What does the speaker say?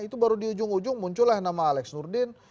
itu baru di ujung ujung muncullah nama alex nurdin